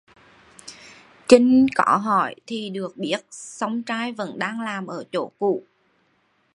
Chinh có hỏi thì được biết song trai vẫn đang làm ở chỗ cũ